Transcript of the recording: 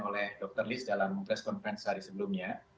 oleh dokter lies dalam press conference hari sebelumnya